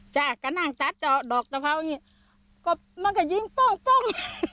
จ้ะก็นั่งตัดดอกตะเพราอย่างนี้ก็มันก็ยิงโป้ง